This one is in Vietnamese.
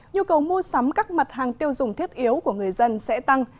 nhu cầu mua sắm các mặt hàng tiêu dùng thiết yếu của người dân sẽ tăng